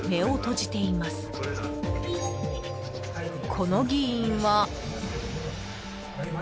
［この議員は］